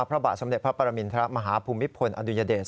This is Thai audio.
พระบาทสมเด็จพระปรมินทรมาฮภูมิพลอดุญเดช